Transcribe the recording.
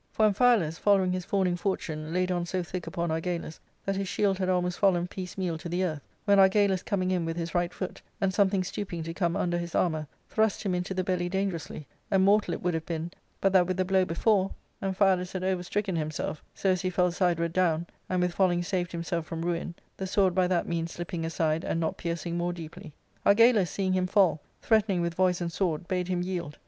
For Amphialus, following his fawning fortune, laid on so thick upon Argalus that his shield had almost fallen piecemeal to the earth, when Argalus coming in with his right foot, and something stooping to come under his armour, thrust him into the belly dangerously, and mortal it would have been, but that with the blow before Amphialus had over stricken ARCADIA,— Book III. 3Pi himself so as he fell sideward down, and with falling saved himself from ruin, the sword by that means slipping aside, and not piercing more deeply. Argalus, seeing him fall, threatening with voice and sword, bade him yield.